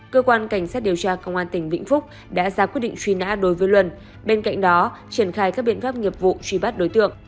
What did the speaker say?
cơ quan cảnh sát điều tra công an tỉnh vĩnh phúc đã ra quyết định truy nã đối với luân bên cạnh đó triển khai các biện pháp nghiệp vụ truy bắt đối tượng